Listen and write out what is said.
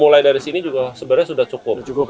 mulai dari sini juga sebenarnya sudah cukup